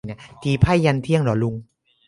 ตีไพ่ยันเที่ยงเหรอลุง